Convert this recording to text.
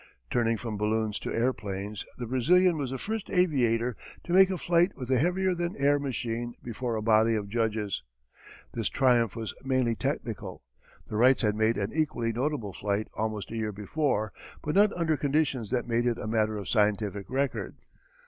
Turning from balloons to airplanes the Brazilian was the first aviator to make a flight with a heavier than air machine before a body of judges. This triumph was mainly technical. The Wrights had made an equally notable flight almost a year before but not under conditions that made it a matter of scientific record.